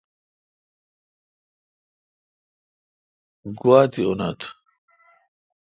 گوا تی انتھ۔